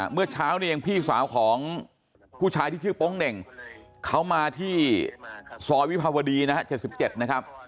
เมื่อเช้านี้เองพี่สาวของผู้ชายที่ชื่อโป๊งเหน่งเขามาที่ซอยวิภาวดีนะฮะ๗๗นะครับ